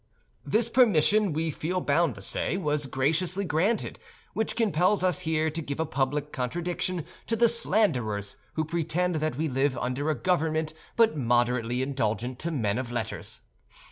This permission, we feel bound to say, was graciously granted; which compels us here to give a public contradiction to the slanderers who pretend that we live under a government but moderately indulgent to men of letters.